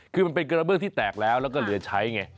คือมันเป็นกระเบื้องที่แตกแล้วแล้วก็เหลือใช้ไง